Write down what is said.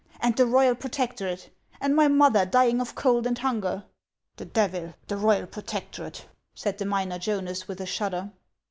" And the royal protectorate ; and my mother dying of cold and hunger ?"" The devil, the royal protectorate !" said the miner Jonas, with a shudder.